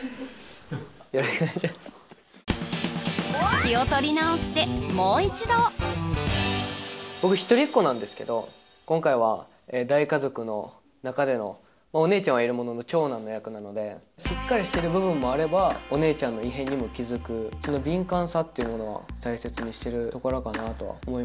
気を取り直してもう一度僕一人っ子なんですけど今回は大家族の中でのお姉ちゃんはいるものの長男の役なのでしっかりしてる部分もあればお姉ちゃんの異変にも気づくその敏感さっていうものは大切にしてるところかなとは思いますね